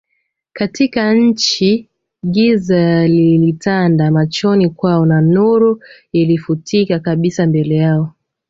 katika nchi Giza lilitanda machoni kwao na nuru ilifutika kabisa mbele yao